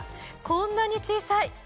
こんなに小さい！